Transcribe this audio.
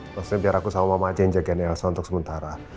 maksudnya biar aku sama mama aja yang jaga nerasa untuk sementara